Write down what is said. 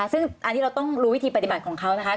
ซึ่งอันนี้เราต้องรู้วิธีปฏิบัติของเขานะคะ